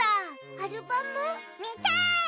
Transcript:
アルバム？みたい！